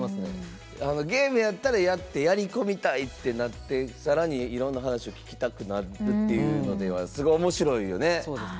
ゲームやったらやってやり込みたいってなって更にいろんな話を聞きたくなるというのではすごいおもしろいよね。